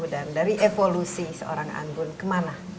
dan dari evolusi seorang anggun kemana